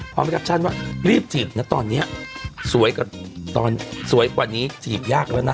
พร้อมแคปชั่นว่ารีบจีบนะตอนนี้สวยกว่าตอนสวยกว่านี้จีบยากแล้วนะ